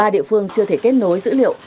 ba địa phương chưa thể kết nối dữ liệu